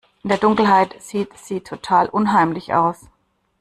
In der Dunkelheit sieht sie total unheimlich aus.